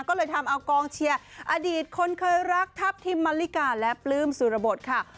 ก็เลยทำเอากองเชียร์อดีตคนเคยรักทัพทิมมะลิกาและปลื้มสุรบทค่ะ